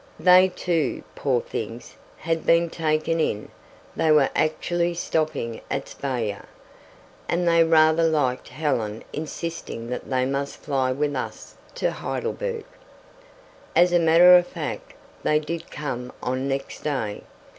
They too, poor things, had been taken in they were actually stopping at Speyer and they rather liked Helen insisting that they must fly with us to Heidelberg. As a matter of fact, they did come on next day.